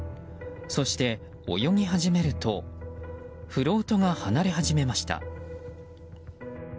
そして、泳ぎ始めるとフロートが離れ始めました。